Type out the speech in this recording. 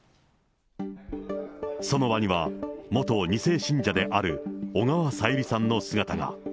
その場には、元２世信者である小川さゆりさんの姿が。